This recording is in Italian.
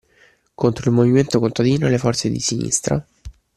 Contro il movimento contadino e le forze di sinistra